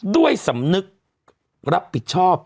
ด้วยสำนึกรับผิดชอบ